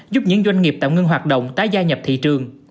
giúp những doanh nghiệp tạm ngưng hoạt động tái gia nhập thị trường